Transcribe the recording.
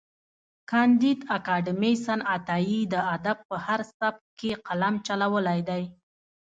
کانديد اکاډميسن عطايي د ادب په هر سبک کې قلم چلولی دی.